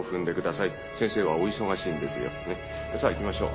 さぁ行きましょう。